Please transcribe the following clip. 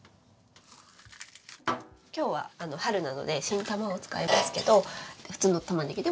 今日は春なので新たまを使いますけど普通のたまねぎでも大丈夫です。